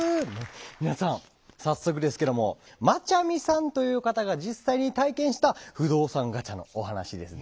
皆さん早速ですけどもまちゃみさんという方が実際に体験した不動産ガチャのお話ですね。